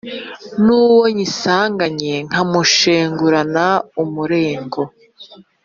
n' uwo nyisanganye nkamushengurana umurego